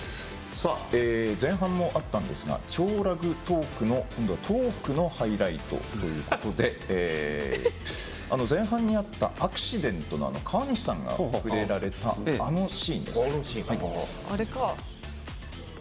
前半もあったんですが「＃超ラグトーク」のトークのハイライトということで前半にあった、アクシデントの川西さんが触れられたあのシーンです。